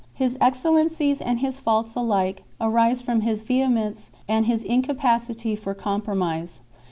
His excellencies and his faults alike arise from his vehe mence and his incapacity for compromise.